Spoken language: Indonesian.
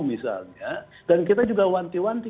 misalnya dan kita juga wanti wanti